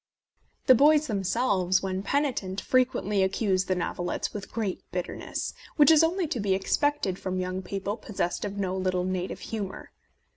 The boys themselves, when penitent, frequently ac cuse the novelettes with great bitterness, which is only to be expected from young people possessed of no little native humour.